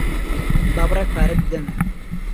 با بڕێک پارەت بدەمێ.